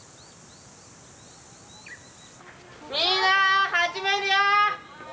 みんな始めるよ！